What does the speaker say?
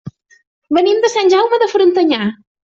Venim de Sant Jaume de Frontanyà.